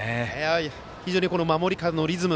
非常に守り間のリズム